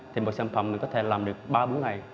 thì một sản phẩm mới có thể làm được ba bốn ngày